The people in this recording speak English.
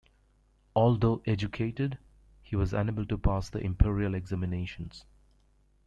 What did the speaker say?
Although educated, he was unable to pass the imperial examinations.